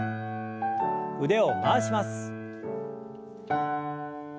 腕を回します。